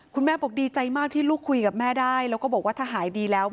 คุณแม่บอกดีใจมากที่ลูกคุยกับแม่ได้แล้วก็บอกว่าถ้าหายดีแล้ว